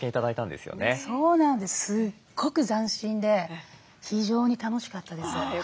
すっごく斬新で非常に楽しかったです。